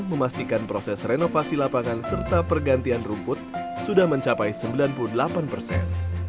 memastikan proses renovasi lapangan serta pergantian rumput sudah mencapai sembilan puluh delapan persen